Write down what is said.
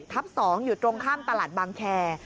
๒อยู่ตรงข้ามตลาดบางแคร์